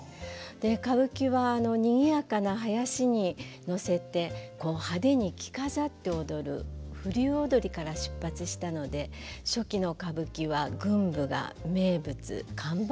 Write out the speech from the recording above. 歌舞伎はにぎやかな囃子に乗せて派手に着飾って踊る風流踊から出発したので初期の歌舞伎は群舞が名物看板だったんです。